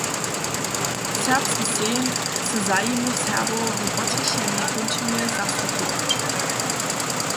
Serbski sejm chce zajimy Serbow w potrjechenej kónčinje zastupować.